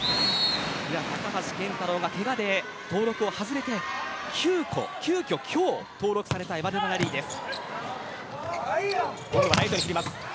高橋健太郎がけがで登録を外れて急きょ、今日、登録されたエバデダン・ラリーです。